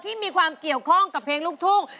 ที่มีความเกี่ยวข้องกับเพลงลูกทุ่ง